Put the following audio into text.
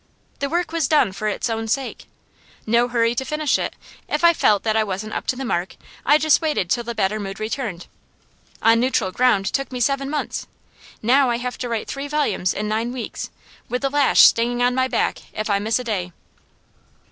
The work was done for its own sake. No hurry to finish it; if I felt that I wasn't up to the mark, I just waited till the better mood returned. "On Neutral Ground" took me seven months; now I have to write three volumes in nine weeks, with the lash stinging on my back if I miss a day.